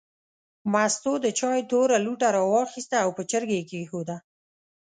مستو د چای توره لوټه راواخیسته او په چرګۍ یې کېښوده.